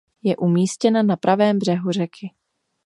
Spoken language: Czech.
Je umístěna na pravém břehu řeky.